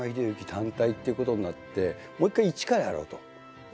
単体っていうことになってもう一回一からやろうということになって。